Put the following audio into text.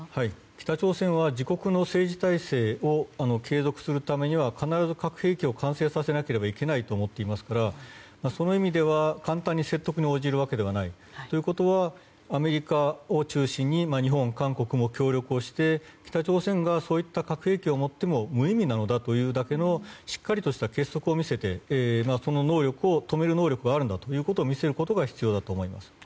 北朝鮮は自国の政治体制を継続するためには必ず核兵器を完成させなければいけないと思っていますからその意味では簡単に説得に応じるわけではない。ということはアメリカを中心に日本、韓国も協力して北朝鮮がそういった核兵器を持っても無意味なのだというだけのしっかりとした結束を見せて止める能力があるんだと見せることが必要だと思います。